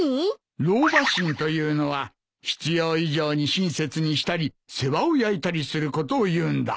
老婆心というのは必要以上に親切にしたり世話を焼いたりすることをいうんだ。